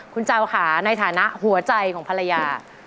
คุณเจ้าค่ะในฐานะหัวใจของภรรยา